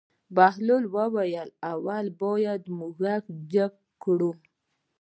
بهلول وویل: اول باید موږک جګ کړو.